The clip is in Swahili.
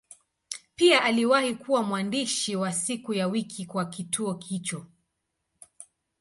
Pia aliwahi kuwa mwandishi wa siku ya wiki kwa kituo hicho.